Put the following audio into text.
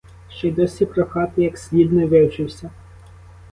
Ще й досі прохати як слід не вивчився!